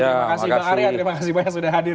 terima kasih bang arya terima kasih banyak sudah hadir